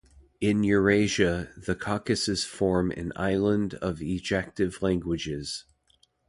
In Eurasia, the Caucasus forms an island of ejective languages.